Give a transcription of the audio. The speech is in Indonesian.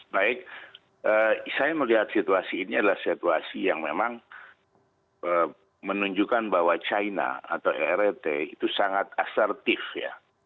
baik saya melihat situasi ini adalah situasi yang memang menunjukkan bahwa china atau rrt itu sangat asertif ya